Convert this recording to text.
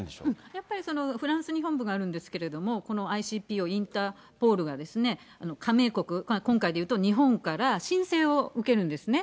やっぱり、フランスに本部があるんですけれども、このＩＣＰＯ・インターポールがですね、加盟国、今回で言うと日本から申請を受けるんですね。